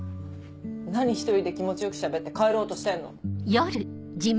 何一人で気持ち良くしゃべって帰ろうとしてんの？